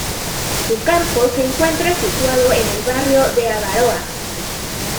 Su campo se encuentra situado en el barrio de Abaroa.